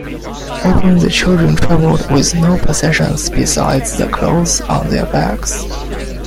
Often the children traveled with no possessions besides the clothes on their backs.